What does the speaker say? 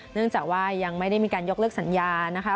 เนื่องจากว่ายังไม่ได้มีการยกเลิกสัญญานะคะ